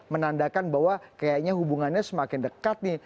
menandakan bahwa kayaknya hubungannya semakin dekat nih